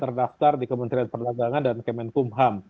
terdaftar di kementerian perdagangan dan kemenkum ham